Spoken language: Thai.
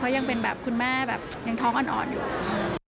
เพราะยังเป็นแบบคุณแม่ยังท้องอ่อนอยู่